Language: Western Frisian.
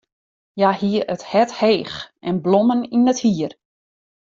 Hja hie it hert heech en blommen yn it hier.